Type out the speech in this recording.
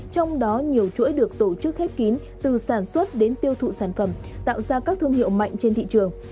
trong đó nhiều chuỗi được tổ chức khép kín từ sản xuất đến tiêu thụ sản phẩm tạo ra các thương hiệu mạnh trên thị trường